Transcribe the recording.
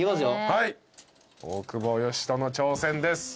はい大久保嘉人の挑戦です。